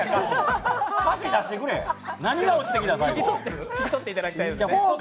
歌詞出してくれ、何が落ちてきた？